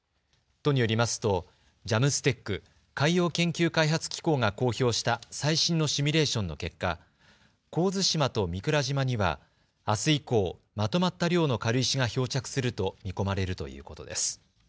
都によりますとＪＡＭＳＴＥＣ・海洋研究開発機構が公表した最新のシミュレーションの結果、神津島と御蔵島にはあす以降、まとまった量の軽石が漂着すると見込まれるということです。